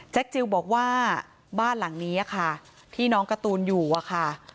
จิลบอกว่าบ้านหลังนี้ค่ะที่น้องการ์ตูนอยู่อะค่ะ